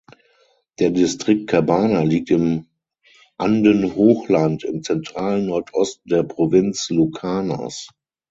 Der Distrikt Cabana liegt im Andenhochland im zentralen Nordosten der Provinz Lucanas.